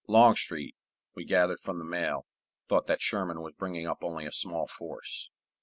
Longstreet, we gathered from the mail, thought that Sherman was bringing up only a small force.